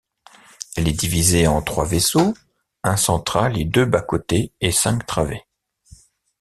Elle est divisée en trois vaisseaux, un central et deux bas-côtés, et cinq travées.